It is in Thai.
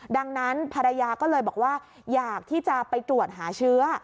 ดังนั้นภรรยาก็เลยบอกว่าอยากที่จะไปตรวจหาเชื้อ